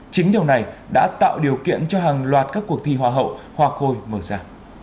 chính điều này đã tạo điều kiện cho hàng loạt các cuộc thi hoa hậu hoa khôi mở ra